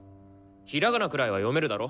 ひらがなくらいは読めるだろ？